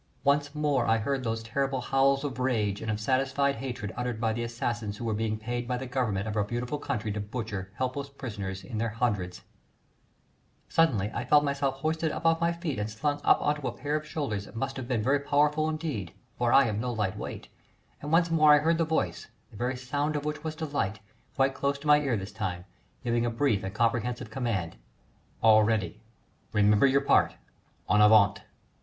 Once more I heard those terrible howls of rage and of satisfied hatred uttered by the assassins who were being paid by the Government of our beautiful country to butcher helpless prisoners in their hundreds. [Illustration: The Scarlet Pimpernel to the Rescue Painted for Princess Mary's Gift Book by A. C. Michael] Suddenly I felt myself hoisted up off my feet and slung up on to a pair of shoulders that must have been very powerful indeed, for I am no light weight, and once more I heard the voice, the very sound of which was delight, quite close to my ear this time, giving a brief and comprehensive command: "All ready remember your part en avant!"